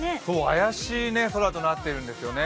怪しい空となっているんですよね。